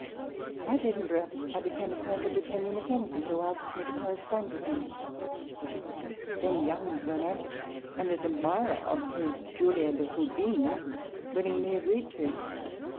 At Edinburgh I became acquainted with Henry Mackenzie, who asked me to correspond with him ; which I (then young, romantic, and an admirer of his " Julia de Roubigne") willingly agreed to.